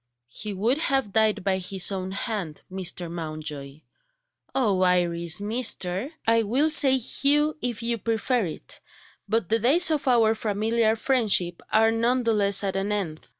"He would have died by his own hand, Mr. Mountjoy " "Oh, Iris 'Mr.!'" "I will say 'Hugh,' if you prefer it but the days of our familiar friendship are none the less at an end.